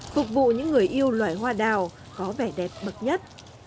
phục vụ những người yêu loài hoa đào có vẻ đẹp bậc nhất